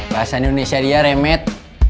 bahasa indonesia dia remet